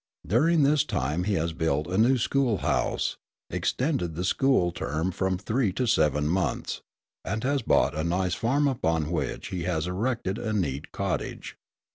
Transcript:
During this time he has built a new school house, extended the school term from three to seven months, and has bought a nice farm upon which he has erected a neat cottage.